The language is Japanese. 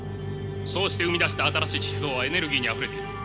そうして生み出した新しい思想はエネルギーにあふれている。